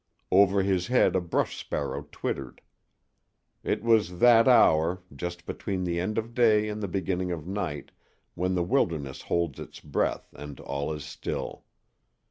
Over his head a brush sparrow twittered. It was that hour, just between the end of day and the beginning of night, when the wilderness holds its breath and all is still.